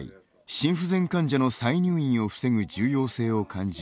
心不全患者の再入院を防ぐ重要性を感じ